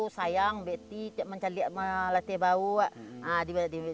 saya mencari pelatih yang berbau